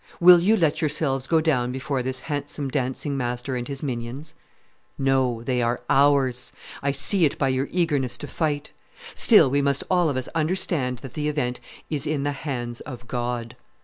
Will you let yourselves go down before this handsome dancing master and his minions? No, they are ours; I see it by your eagerness to fight. Still we must all of us understand that the event is in the hands of God.